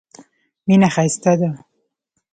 مینه ښایسته ده.